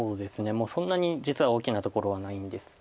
もうそんなに実は大きなところはないんですけれど。